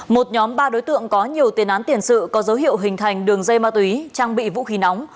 một nhóm ba đối tượng có nhiều tiền án tiền sự có dấu hiệu hình thành đường dây ma túy trang bị vũ khí nóng